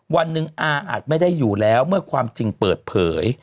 วันหนึ่งอาจไม่ได้อยู่แล้วเมื่อความจริงเปิดเผย